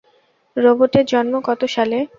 রোবটের জন্ম কত সালে?